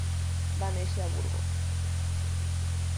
Va néixer a Burgos.